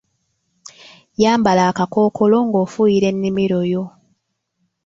Yambala akakkookolo ng'ofuuyira ennimiro yo.